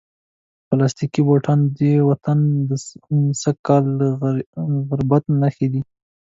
پلاستیکي بوټان د دې وطن د سږکال د غربت نښې دي.